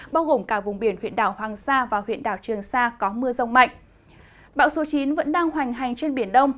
bão số chín vẫn đang hoành hành trên biển đông